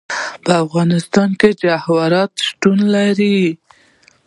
په افغانستان کې جواهرات شتون لري.